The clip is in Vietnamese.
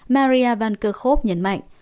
maria vanker khob nhấn mạnh